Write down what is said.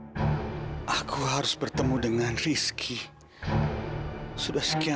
sampai jumpa di video selanjutnya